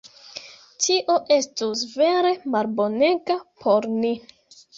Tio estus vere malbonega por ni.